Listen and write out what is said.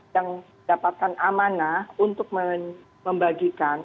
yang dapatkan amanah untuk membagikan